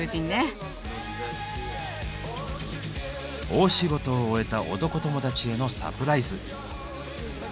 大仕事を終えた男友達へのサプライズ。